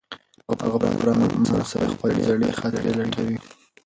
هغه په پوره ارمان سره خپلې زړې خاطرې لټوي.